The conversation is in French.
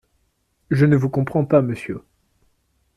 Je ne vous comprends pas, monsieur.